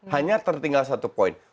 hanya tertinggal satu poin